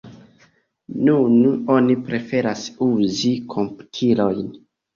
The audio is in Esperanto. Nun oni preferas uzi komputilojn.